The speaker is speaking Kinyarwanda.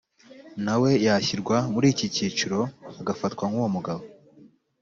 nawe yashyirwa muri iki cyiciro agafatwa nk uwo Umugabo